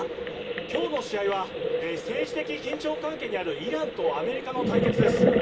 今日の試合は政治的緊張関係にあるイランとアメリカの対決です。